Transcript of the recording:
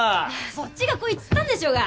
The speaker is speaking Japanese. そっちが来いっつったんでしょうが。